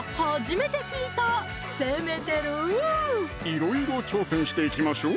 いろいろ挑戦していきましょう